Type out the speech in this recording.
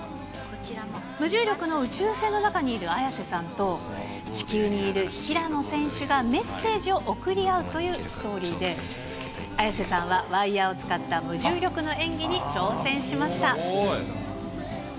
無重力の宇宙船の中にいる綾瀬さんと、地球にいる平野選手がメッセージを送り合うというストーリーで、綾瀬さんは、ワイヤーを使った無重力の演技に挑戦しました。